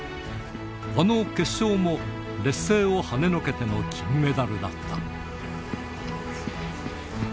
あの決勝も、劣勢をはねのけての金メダルだった。